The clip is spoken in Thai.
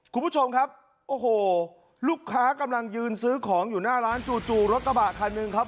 คุณผู้ชมครับโอ้โหลูกค้ากำลังยืนซื้อของอยู่หน้าร้านจู่รถกระบะคันหนึ่งครับ